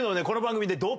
この番組で。